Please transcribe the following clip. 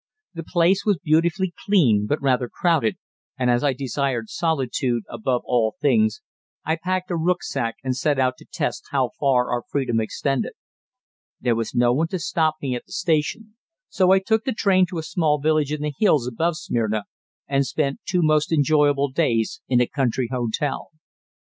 The place was beautifully clean but rather crowded, and as I desired solitude above all things, I packed a rücksack and set out to test how far our freedom extended. There was no one to stop me at the station, so I took the train to a small village in the hills above Smyrna and spent two most enjoyable days in a country hotel.